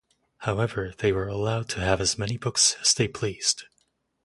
However, they were allowed to have as many books as they pleased.